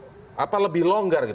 s satu itu lebih longgar